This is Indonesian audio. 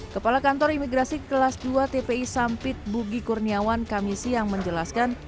kepala kantor imigrasi kelas dua tpi sampit bugi kurniawan kami siang menjelaskan